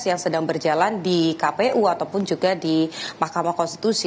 yang sedang berjalan di kpu ataupun juga di mahkamah konstitusi